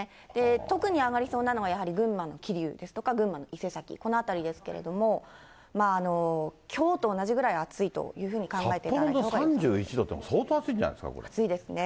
特に上がりそうなのがやはり群馬の桐生ですとか、群馬の伊勢崎、この辺りですけれども、きょうと同じぐらい暑いというふうに考えていただいたほうがいい札幌で３１度って、相当暑い暑いですね。